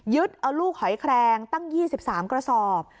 เอาลูกหอยแครงตั้ง๒๓กระสอบ